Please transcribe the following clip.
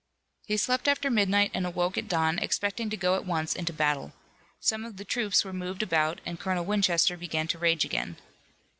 He slept after midnight and awoke at dawn, expecting to go at once into battle. Some of the troops were moved about and Colonel Winchester began to rage again.